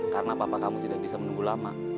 karena papa kamu tidak bisa menunggu lama